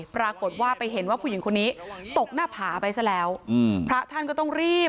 ปรากฏว่าไปเห็นว่าผู้หญิงคนนี้ตกหน้าผาไปซะแล้วพระท่านก็ต้องรีบ